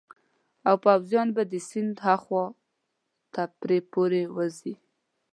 او پوځیان به د سیند هاخوا ته پرې پورې ووزي.